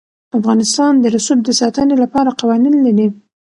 افغانستان د رسوب د ساتنې لپاره قوانین لري.